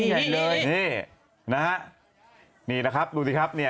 นี่เลย